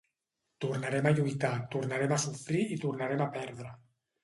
Tornarem a lluitar, tornarem a sofrir i tornarem a perdre.